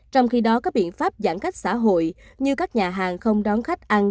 trong khi đó các biện pháp giãn cách xã hội như các nhà hàng không đón khách ăn